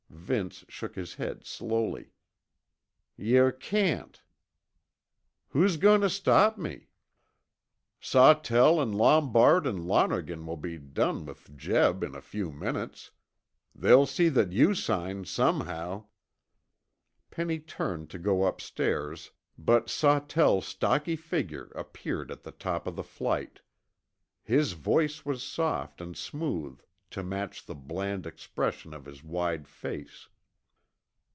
Vince shook his head slowly. "Yuh can't." "Who's going to stop me?" "Sawtell an' Lombard an' Lonergan will be done with Jeb in a few minutes. They'll see that you sign somehow." Penny turned to go upstairs, but Sawtell's stocky figure appeared at the top of the flight. His voice was soft and smooth to match the bland expression of his wide face.